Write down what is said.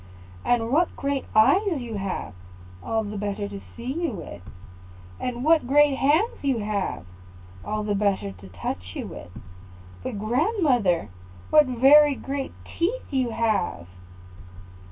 "And what great eyes you have!" "All the better to see you with." "And what great hands you have!" "All the better to touch you with." "But, grandmother, what very great teeth you have!"